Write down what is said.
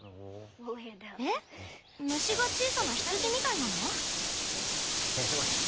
えっ虫が小さな羊みたいなの？